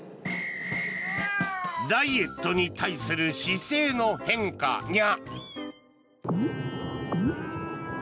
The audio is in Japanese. ダイエットに対する姿勢の変化にゃ。